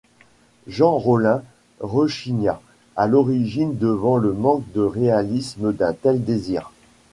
Jean Rollin rechigna à l'origine devant le manque de réalisme d'un tel désir.